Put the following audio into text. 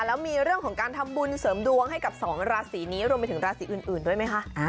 แล้วมีเรื่องของการทำบุญเสริมดวงให้กับ๒ราศีนี้รวมไปถึงราศีอื่นด้วยไหมคะ